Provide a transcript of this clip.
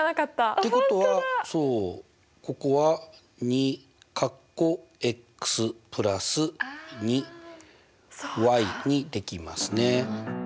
ってことはそうここはにできますね。